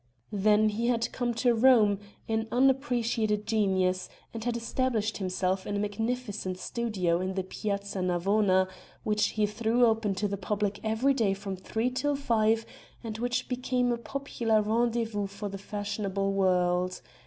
Then he had come to Rome, an unappreciated genius, and had established himself in a magnificent studio in the Piazza Navona, which he threw open to the public every day from three till five and which became a popular rendezvous for the fashionable world.